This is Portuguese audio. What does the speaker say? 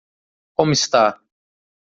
Como está?